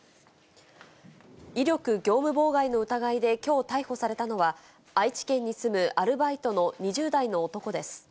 威力業務妨害の疑いできょう逮捕されたのは、愛知県に住むアルバイトの２０代の男です。